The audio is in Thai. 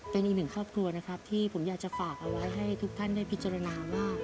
เป็นอีกหนึ่งครอบครัวนะครับที่ผมอยากจะฝากเอาไว้ให้ทุกท่านได้พิจารณาว่า